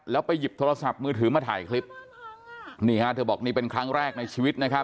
แล้วไปหยิบโทรศัพท์มือถือมาถ่ายคลิปนี่ฮะเธอบอกนี่เป็นครั้งแรกในชีวิตนะครับ